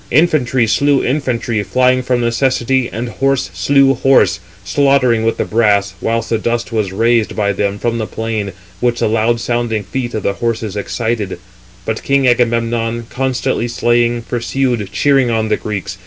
Infantry slew infantry, flying from necessity, and horse [slew] horse, slaughtering with the brass (whilst the dust was raised by them from the plain, which the loud sounding feet of the horses excited); but king Agamemnon, constantly slaying, pursued, cheering on the Greeks.